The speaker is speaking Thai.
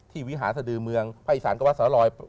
ที่วิหาสดือเมืองพระอิสรก็วัดสารลรอย